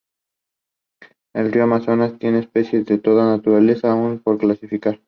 El río Amazonas, tiene especies de toda naturaleza aún por clasificar.